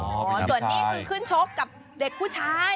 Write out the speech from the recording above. ส่วนนี้คือขึ้นชกกับเด็กผู้ชาย